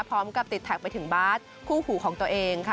พร้อมกับติดแท็กไปถึงบาสคู่หูของตัวเองค่ะ